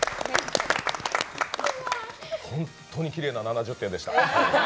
本当にきれいな７０点でした。